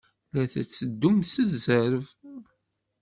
La tetteddum s zzerb.